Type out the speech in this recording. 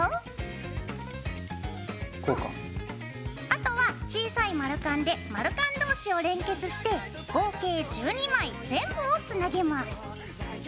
あとは小さい丸カンで丸カン同士を連結して合計１２枚全部をつなげます。